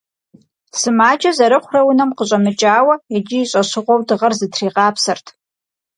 Сымаджэ зэрыхъурэ унэм къыщӏэмыкӏауэ, иджы и щӏэщыгъуэу дыгъэр зытригъапсэрт.